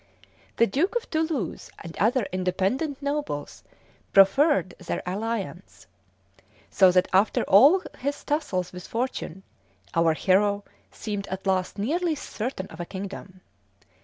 The Duke of Toulouse and other independent nobles proffered their alliance; so that after all his tussles with fortune our hero seemed at last nearly certain of a kingdom.